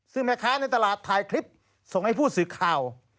ซึ่งแม่ค้าในตลาดถ่ายคลิปส่งให้ผู้สื่อข่าว